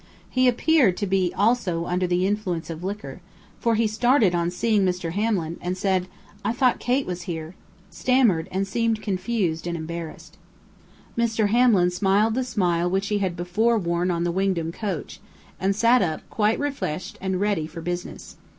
He appeared to be also under the influence of liquor, for he started on seeing Mr. Hamlin, and said, "I thought Kate was here," stammered, and seemed confused and embarrassed. Mr. Hamlin smiled the smile which he had before worn on the Wingdam coach, and sat up, quite refreshed and ready for business.